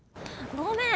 ごめん。